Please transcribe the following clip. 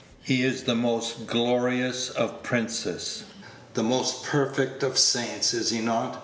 "He is the most glorious of princes, the most perfect of saints, is he not?